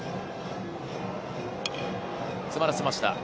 詰まらせました。